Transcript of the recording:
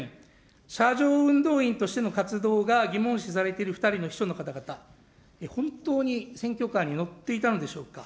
まず、端的に伺いたいと思いますが、大臣、車上運動員としての活動が疑問視されている２人の秘書の方々、本当に選挙カーに乗っていたのでしょうか。